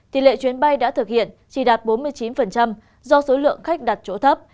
tỷ lệ chuyến bay đã thực hiện chỉ đạt bốn mươi chín do số lượng khách đặt chỗ thấp